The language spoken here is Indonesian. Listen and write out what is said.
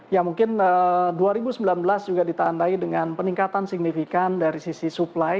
ya mungkin dua ribu sembilan belas juga ditandai dengan peningkatan signifikan dari sisi supply